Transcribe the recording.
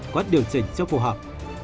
có điều chỉnh cho phù hợp